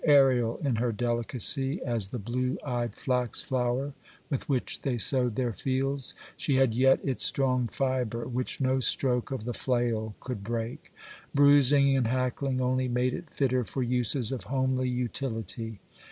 Aërial in her delicacy, as the blue eyed flax flower with which they sowed their fields, she had yet its strong fibre, which no stroke of the flail could break; bruising and hackling only made it fitter for uses of homely utility.